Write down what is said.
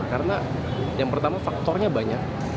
karena yang pertama faktornya banyak